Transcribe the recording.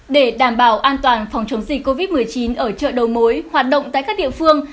để đảm bảo an toàn phòng chống dịch covid một mươi chín ở chợ đầu mối hoạt động tại các địa phương